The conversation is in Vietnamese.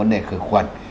vấn đề khử khuẩn